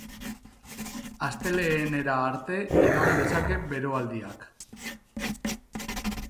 Astelehenera arte iraun dezake beroaldiak.